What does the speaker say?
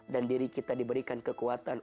dan diri kita diberikan kekuatan